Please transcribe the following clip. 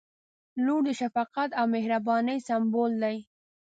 • لور د شفقت او مهربانۍ سمبول دی.